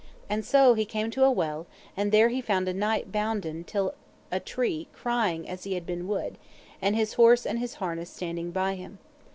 And so he came to a well, and there he found a knight bounden till a tree crying as he had been wood, and his horse and his harness standing by him.